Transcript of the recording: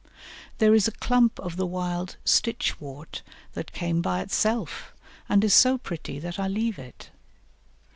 There is a clump of the wild Stitchwort that came by itself, and is so pretty that I leave it.